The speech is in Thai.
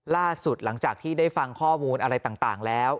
หลังจากที่ได้ฟังข้อมูลอะไรต่างแล้ว